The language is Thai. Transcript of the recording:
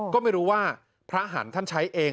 ก็ไม่รู้ว่าพระหันต์ท่านใช้เอง